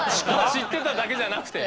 知ってただけじゃなくて。